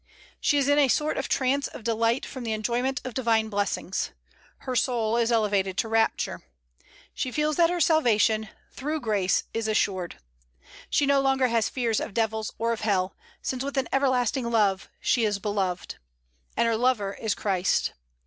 She is in a sort of trance of delight from the enjoyment of divine blessings. Her soul is elevated to rapture. She feels that her salvation, through grace, is assured. She no longer has fear of devils or of hell, since with an everlasting love she is beloved; and her lover is Christ.